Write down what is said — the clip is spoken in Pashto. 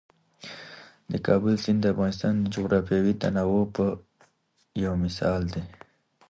د کابل سیند د افغانستان د جغرافیوي تنوع یو مثال دی.